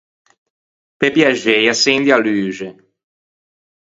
Pe piaxei, açendi a luxe